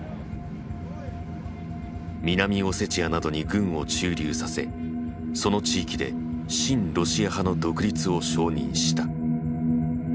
南オセチアなどに軍を駐留させその地域で親ロシア派の独立を承認した。